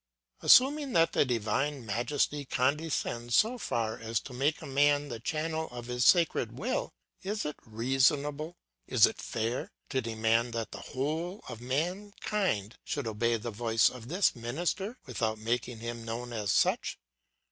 "Assuming that the divine majesty condescends so far as to make a man the channel of his sacred will, is it reasonable, is it fair, to demand that the whole of mankind should obey the voice of this minister without making him known as such?